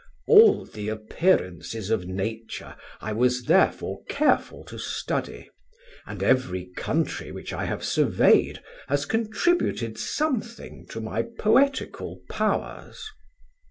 "All the appearances of nature I was therefore careful to study, and every country which I have surveyed has contributed something to my poetical powers."